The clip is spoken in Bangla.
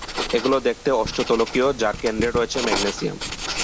এগুলো দেখতে অষ্টতলকীয়, যার কেন্দ্রে রয়েছে ম্যাগনেসিয়াম।